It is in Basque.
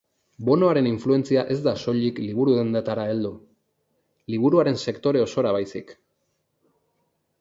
Bonoaren influentzia ez da soilik liburudendetara heldu, liburuaren sektore osora baizik.